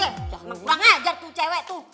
emang gue yang ngajar tuh cewek tuh